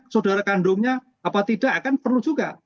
saudara kandungnya apa tidak akan perlu juga